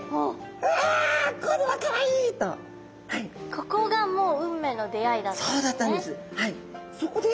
ここがもう運命の出会いだったんですね。